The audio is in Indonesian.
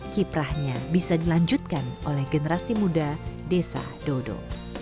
kiprahnya bisa dilanjutkan oleh generasi muda desa dodo